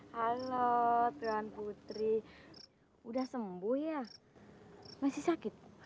halo tuan putri udah sembuh ya masih sakit